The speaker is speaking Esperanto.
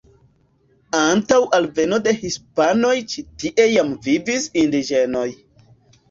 Antaŭ alveno de la hispanoj ĉi tie jam vivis indiĝenoj.